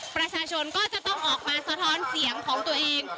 ประชาชนก็จะต้องออกมาสะท้อนเสียงของตัวเอง